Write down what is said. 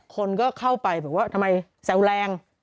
คนก็เข้าไปบอกว่าทำไมแซวแรง